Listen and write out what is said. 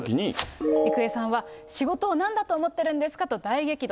郁恵さんは、仕事をなんだと思ってるんですかと大激怒。